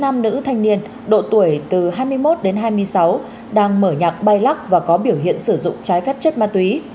nam nữ thanh niên độ tuổi từ hai mươi một đến hai mươi sáu đang mở nhạc bay lắc và có biểu hiện sử dụng trái phép chất ma túy